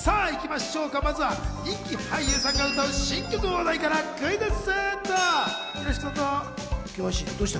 まずは人気俳優さんが歌う新曲の話題からクイズッス！